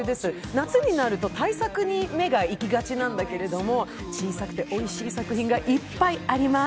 夏になると大作に目がいきがちですが小さくておいしい作品がいっぱいあります。